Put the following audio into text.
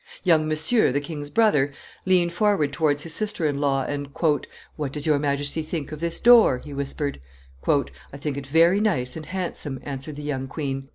Young Monsieur, the king's brother, leaned forward towards his sister in law, and, "What does your Majesty think of this door?" he whispered. "I think it very nice and handsome," answered the young queen.